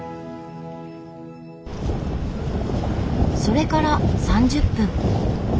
それから３０分。